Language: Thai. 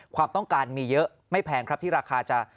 ความต้องการมีเยอะไม่แพงครับที่ราคาจะ